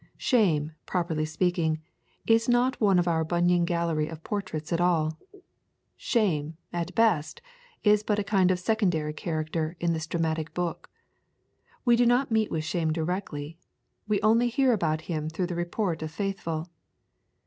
Shame, properly speaking, is not one of our Bunyan gallery of portraits at all. Shame, at best, is but a kind of secondary character in this dramatic book. We do not meet with Shame directly; we only hear about him through the report of Faithful.